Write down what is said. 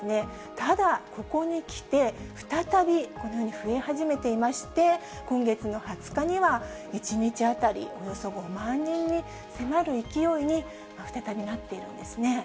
ただ、ここにきて、再びこのように増え始めていまして、今月の２０日には、１日当たりおよそ５万人に迫る勢いに、再びなっているんですね。